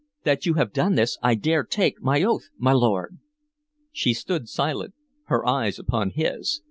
That you have done this I dare take my oath, my lord" She stood silent, her eyes upon his.